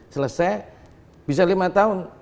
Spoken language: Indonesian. selesai bisa lima tahun